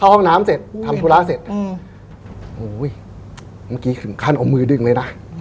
ห้องน้ำเสร็จทำธุระเสร็จเมื่อกี้ถึงขั้นเอามือดึงเลยนะ